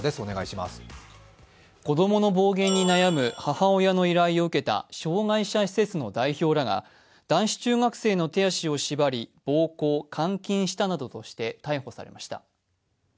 子どもの暴言に悩む母親の依頼に応えた障害者施設の代表らが男子中学生の手足を縛り暴行、監禁したなどとして逮捕されました。